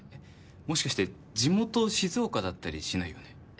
もしかして地元静岡だったりしないよね？